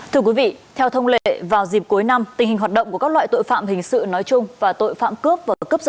thưa quý vị theo thông lệ vào dịp cuối năm tình hình hoạt động của các loại tội phạm hình sự nói chung và tội phạm cướp và cướp giật